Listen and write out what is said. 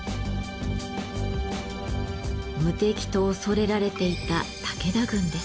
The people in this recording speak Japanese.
「無敵」と恐れられていた武田軍です。